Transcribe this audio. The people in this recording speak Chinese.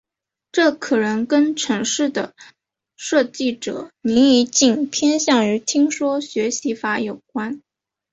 这可能跟程式的设计者林宜敬偏向于听说学习法有关。